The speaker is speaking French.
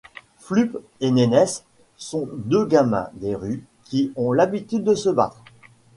Flup et Nénesse sont deux gamins des rues qui ont l'habitude de se battre.